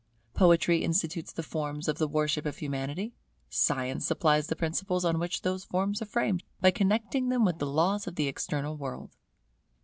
Poetry institutes the forms of the worship of Humanity; Science supplies the principles on which those forms are framed, by connecting them with the laws of the external world.